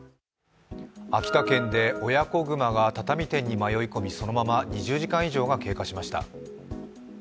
秋田県で親子熊が畳店に迷い込みそのまま２０時間以上が経過しました。